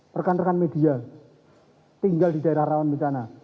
rekan rekan media tinggal di daerah rawan bencana